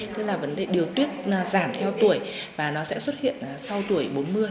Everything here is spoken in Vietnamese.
tức là vấn đề điều tuyết giảm theo tuổi và nó sẽ xuất hiện sau tuổi bốn mươi